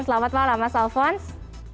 selamat malam mas alphonse